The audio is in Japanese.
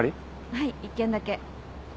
はい１件だけ。